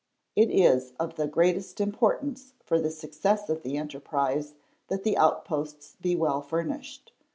It is of the greatest importance for the success of the enterprise that the outposts be well furnished.